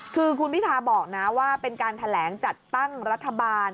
คือคุณพิทาบอกนะว่าเป็นการแถลงจัดตั้งรัฐบาล